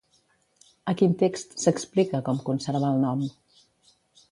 A quin text s'explica com conservar el nom?